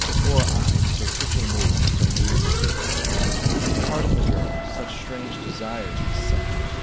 Poor eyes, so quickly moved, so near to sleeping? Pardon the girl; such strange desires beset her.